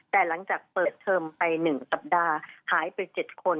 แต่หลังจากเปิดเทอมไป๑สัปดาห์หายไป๗คน